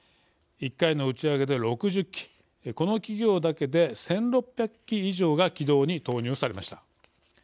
１回の打ち上げで６０機この企業だけで１６００機以上が軌道に投入されました。